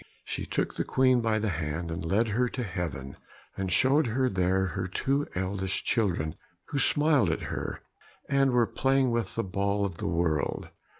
She took the Queen by the hand and led her to heaven, and showed her there her two eldest children, who smiled at her, and were playing with the ball of the world.